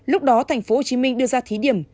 lúc đó tp hcm đưa ra thí điểm